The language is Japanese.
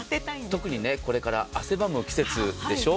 特にこれから汗ばむ季節でしょ。